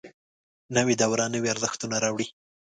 نوې دوره نوي ارزښتونه راوړي